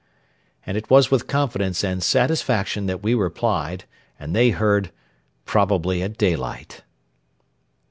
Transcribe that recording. And it was with confidence and satisfaction that we replied, and they heard, 'Probably at daylight.'